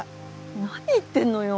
何言ってんのよ。